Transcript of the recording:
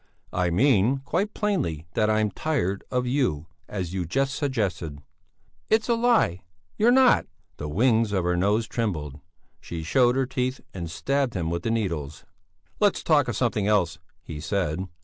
"I mean quite plainly that I'm tired of you, as you just suggested." "It's a lie! You're not!" The wings of her nose trembled, she showed her teeth and stabbed him with the needles. "Let's talk of something else," he said.